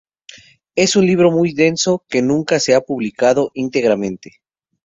Es un libro muy denso que nunca se ha publicado íntegramente.